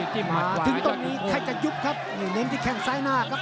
มาถึงตรงนี้ใครจะยุบครับนี่เน้นที่แข้งซ้ายหน้าครับ